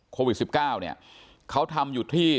โควิด๑๙เนี่ยเขาทำอยู่ที่